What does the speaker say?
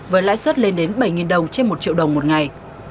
với lãi suất lên đến bảy đồng trên một triệu đồng một ngày